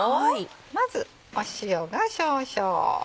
まず塩が少々。